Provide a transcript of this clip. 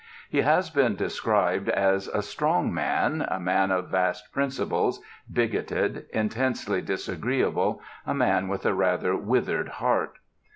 He has been described as "a strong man, a man of vast principles, bigoted, intensely disagreeable, a man with a rather withered heart."